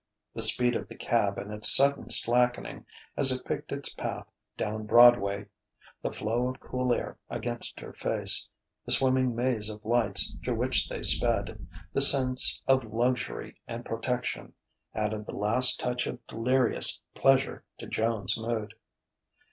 The speed of the cab and its sudden slackening as it picked its path down Broadway, the flow of cool air against her face, the swimming maze of lights through which they sped, the sense of luxury and protection, added the last touch of delirious pleasure to Joan's mood.